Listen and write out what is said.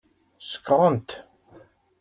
Sekṛent.